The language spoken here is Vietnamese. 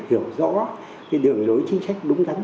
hiểu rõ đường đối chính trách đúng đắn